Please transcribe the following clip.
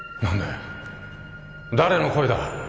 何だよ誰の声だ？